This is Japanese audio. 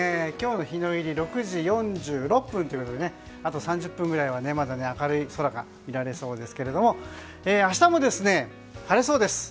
今日の日の入り６時４６分ということであと３０分ぐらいはまだ明るい空が見られそうですけど明日も晴れそうです。